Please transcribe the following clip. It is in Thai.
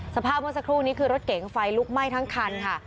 สภาพเมื่อสักครู่นี้คือรถเก๋งไฟลุกไหม้ทั้งคันค่ะ